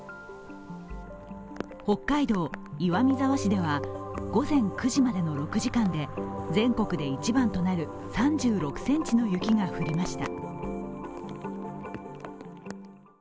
北海道岩見沢市では午前９時までの６時間で全国で１番となる３６ｃｍの雪が降りました。